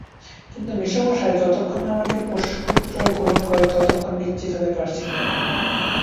কিন্তু মেসোমশায় যতক্ষণ না আমাকে পোষ্যপুত্র গ্রহণ করেন ততক্ষণ নিশ্চিন্ত হতে পারছি নে।